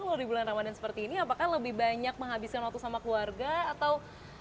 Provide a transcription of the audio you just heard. kalau di bulan ramadhan seperti ini apakah lebih banyak menghabiskan waktu sama keluarga atau